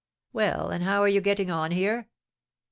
"Well, and how are you getting on here?"